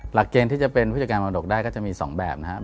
หลักเกณฑ์ที่จะเป็นผู้จัดการมรดกได้ก็จะมี๒แบบนะครับ